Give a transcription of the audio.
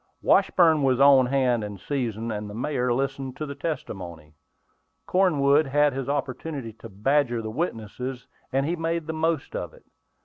Washburn was on hand in season, and the mayor listened to the testimony. Cornwood had his opportunity to badger the witnesses, and he made the most of it.